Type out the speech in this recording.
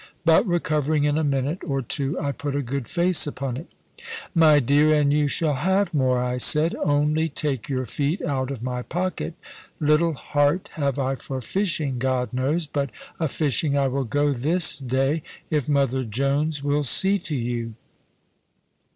But, recovering in a minute or two, I put a good face upon it. "My dear, and you shall have more," I said; "only take your feet out of my pocket. Little heart have I for fishing, God knows; but a fishing I will go this day, if mother Jones will see to you."